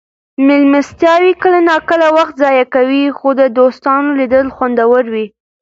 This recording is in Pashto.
مېلمستیاوې کله ناکله وخت ضایع کوي خو د دوستانو لیدل خوندور وي.